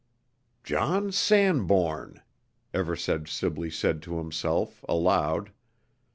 "John Sanbourne!" Eversedge Sibley said to himself, aloud.